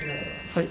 はい。